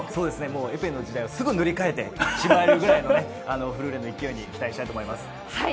エペの時代をすぐ塗り替えてしまうぐらいのフルーレの勢いに期待したいと思います。